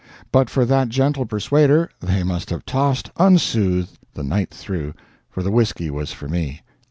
But for that gentle persuader they must have tossed, unsoothed, the night through; for the whiskey was for me.